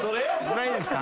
ないですか？